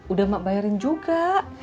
udah emak bayarin juga